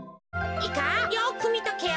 いいかよくみとけよ。